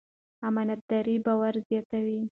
امانتداري باور زیاتوي.